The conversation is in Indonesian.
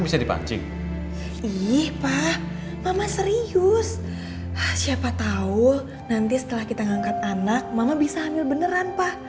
sampai jumpa di video selanjutnya